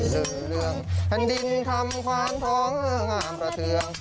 ชื่อเรื่องแผ่นดินทำขวานทองนำระเทือง